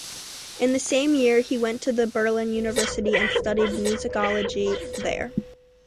In the same year he went to the Berlin University and studied musicology there.